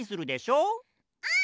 うん！